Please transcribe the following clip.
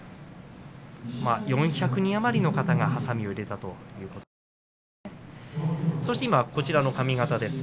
４００人余りの方がはさみを入れたということです。